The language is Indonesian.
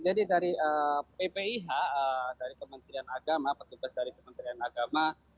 jadi dari ppih dari kementerian agama petugas dari kementerian agama